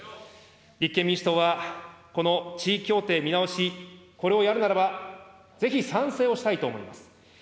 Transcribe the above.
立憲民主党は、この地位協定見直し、これをやるならば、ぜひ賛成をしたいと思います。